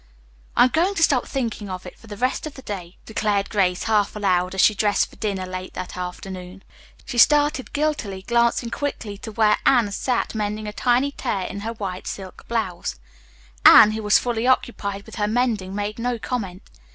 "I'm going to stop thinking of it for the rest of the day," declared Grace half aloud, as she dressed for dinner late that afternoon. She started guiltily, glancing quickly to where Anne sat mending a tiny tear in her white silk blouse. Anne, who was fully occupied with her mending, made no comment.